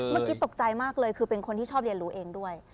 เมื่อกี้ตกใจมากเลยคือเป็นคนที่ชอบเรียนรู้เองด้วย